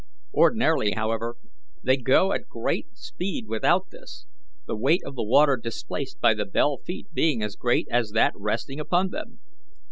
Ordinarily, however, they go at great speed without this, the weight of the water displaced by the bell feet being as great as that resting upon them.